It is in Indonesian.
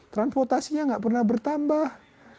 transportasinya nggak pernah bertambah